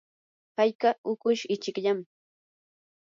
hallqa hukush ichikllam.